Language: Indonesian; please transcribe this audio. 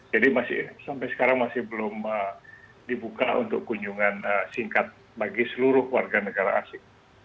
jadi sampai sekarang masih belum dibuka untuk kunjungan singkat bagi seluruh warga negara asing